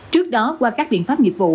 trước đó qua các biện pháp nghiệp vụ